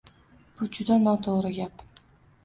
Bu – juda noto‘g‘ri gap.